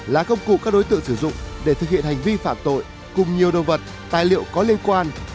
là công cụ các đối tượng sử dụng để thực hiện hành vi phạm tội cùng nhiều đồ vật tài liệu có liên quan